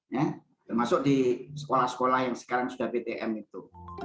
ya termasuk di sekolah sekolah yang sekarang sudah ptm itu